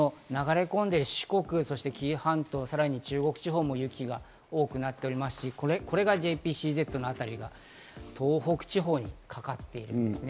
現在ですが、流れ込んでいる四国、紀伊半島、さらに中国地方も雪が多くなっておりますし、これがＪＰＣＺの辺り、東北地方にかかっているんですね。